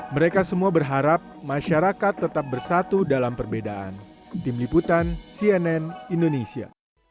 mereka semua berharap masyarakat tetap bersatu dalam perbedaan tim liputan cnn indonesia